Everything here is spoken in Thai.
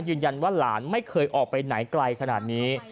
ยืนยันว่าหลานไม่เคยออกไปไหนไกลขนาดนี้